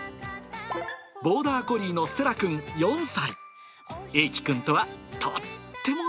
ボーダーコリーのセラくん４歳。